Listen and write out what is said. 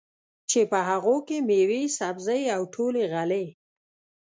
چې په هغو کې مېوې، سبزۍ او ټولې غلې